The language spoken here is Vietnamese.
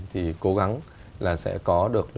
thì cố gắng là sẽ có được